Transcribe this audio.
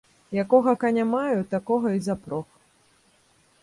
Якога каня маю, такога і запрог.